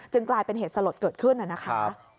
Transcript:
กลายเป็นเหตุสลดเกิดขึ้นนะคะ